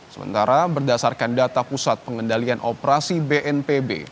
sementara berdasarkan data pusat pengendalian operasi bnpb